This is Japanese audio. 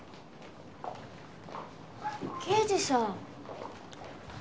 刑事さん。